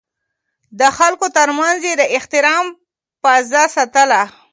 د خلکو ترمنځ يې د احترام فضا ساتله.